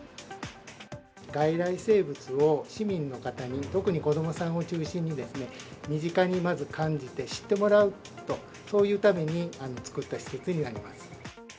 外来生物を市民の方に、特に子どもさんを中心に、身近にまず感じて、知ってもらうと、そういうために作った施設になります。